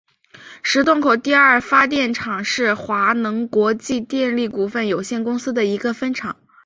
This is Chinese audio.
石洞口第二发电厂是华能国际电力股份有限公司的一个分厂。